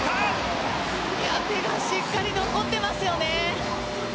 手がしっかり残っていますよね。